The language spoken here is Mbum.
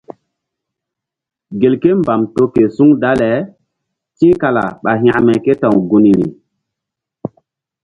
Gelke mbam to ke suŋ dale ti̧h kala ɓa hȩkme ké ta̧w gunri.